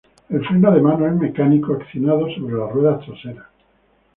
El freno de mano es mecánico, accionado sobre las ruedas traseras.